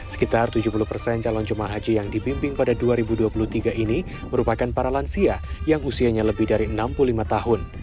sekitar tujuh puluh persen calon jemaah haji yang dibimbing pada dua ribu dua puluh tiga ini merupakan para lansia yang usianya lebih dari enam puluh lima tahun